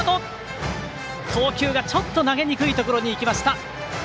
投球がちょっと投げにくいところにいきました。